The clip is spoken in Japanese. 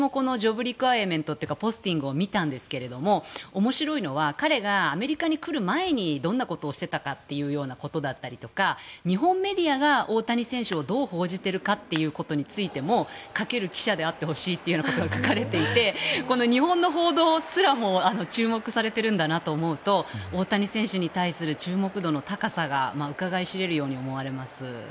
私もこのポスティングを見たんですが面白いのは彼がアメリカに来る前にどんなことをしていたかということだったりとか日本メディアが大谷選手をどう報じているかということについても書ける記者であってほしいということが書かれていて日本の報道すらも注目されているんだなと思うと大谷選手に対する注目度の高さがうかがい知れるように思われます。